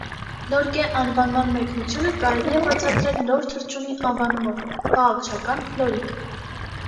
«Լորկէ» անվանման մեկնությունը կարելի է բացատրել լոր թռչունի անվանումով (փաղաքշական՝ լորիկ)։